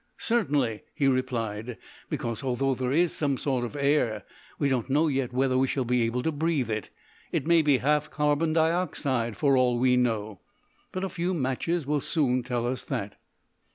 "Certainly," he replied, "because, although there is some sort of air, we don't know yet whether we shall be able to breathe it. It may be half carbon dioxide for all we know; but a few matches will soon tell us that."